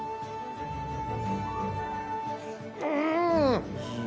うん！